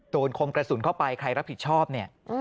คมกระสุนเข้าไปใครรับผิดชอบเนี่ย